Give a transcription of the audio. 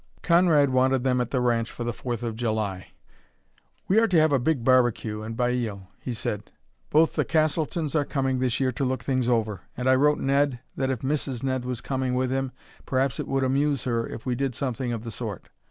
Conrad wanted them at the ranch for the Fourth of July. "We are to have a big barbecue and baile," he said. "Both the Castletons are coming this year to look things over, and I wrote Ned that if Mrs. Ned was coming with him perhaps it would amuse her if we did something of the sort.